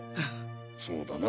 そうだな。